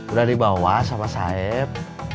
udah dibawa sama saeb